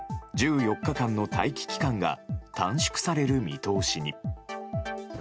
１４日間の待機期間が短縮される見通しに。